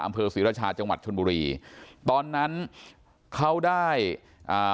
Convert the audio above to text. อำเภอศรีราชาจังหวัดชนบุรีตอนนั้นเขาได้อ่า